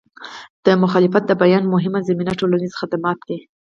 د مخالفت د بیان یوه مهمه زمینه ټولنیز خدمات دي.